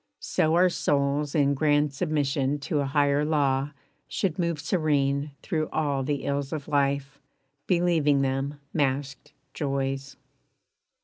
So our souls In grand submission to a higher law Should move serene through all the ills of life, Believing them masked joys.